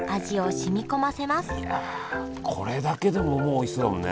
これだけでももうおいしそうだもんね。